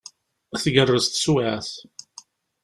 Tgerrez teswiɛt.